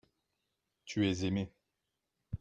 tu es aimé.